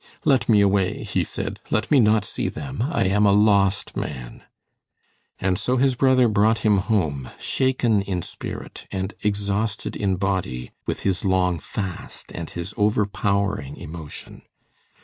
"Let me away," he said. "Let me not see them. I am a lost man." And so his brother brought him home, shaken in spirit and exhausted in body with his long fast and his overpowering emotion.